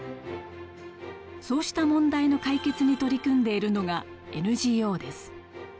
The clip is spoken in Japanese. そうした問題の解決に取り組んでいるのがＮＧＯです。